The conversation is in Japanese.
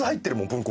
文庫